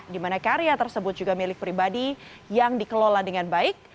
di mana karya tersebut juga milik pribadi yang dikelola dengan baik